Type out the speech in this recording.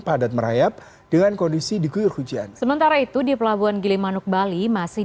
padat merayap dengan kondisi diguyur hujan sementara itu di pelabuhan gilimanuk bali masih